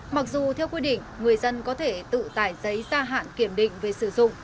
mặc dù theo quy định người dân có thể tự tải giấy ra hạn kiểm định về sử dụng